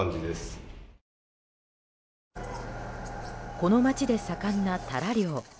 この街で盛んなタラ漁。